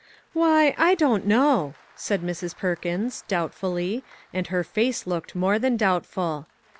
" Why, I don't know," said Mrs. Perkins, doubtfully, and her face looked more than doubtful.